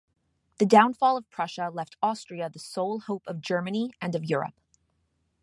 The downfall of Prussia left Austria the sole hope of Germany and of Europe.